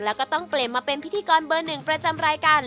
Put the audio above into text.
แล้วก็ต้องเปลี่ยนมาเป็นพิธีกรเบอร์หนึ่งประจำรายการ